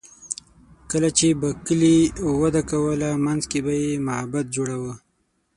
کله به چې کلي وده کوله، منځ کې به یې معبد جوړاوه.